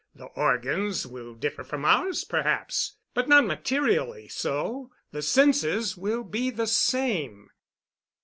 The organs will differ from ours, perhaps, but not materially so. The senses will be the same.